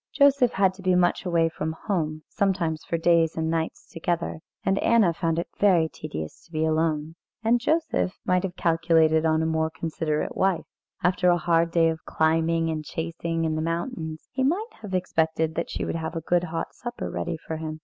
Joseph had to be much away from home, sometimes for days and nights together, and Anna found it very tedious to be alone. And Joseph might have calculated on a more considerate wife. After a hard day of climbing and chasing in the mountains, he might have expected that she would have a good hot supper ready for him.